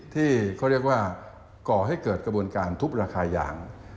ที่เขาเรียกว่าก่อให้เกิดกระบวนการทุบราคายาง